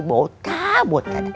bawah sabut adek